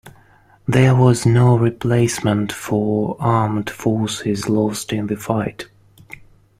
There was no replacement for armed forces lost in the fight.